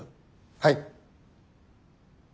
はい。